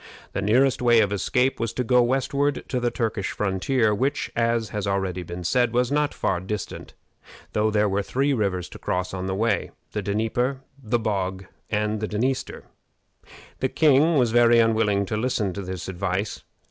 The nearest way of escape was to go westward to the Turkish frontier, which, as has already been said, was not far distant, though there were three rivers to cross on the way the Dnieper, the Bog, and the Dniester. The king was very unwilling to listen to this advice.